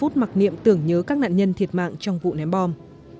một mươi mặc niệm tưởng nhớ các nạn nhân thiệt mạng trong vụ ném bom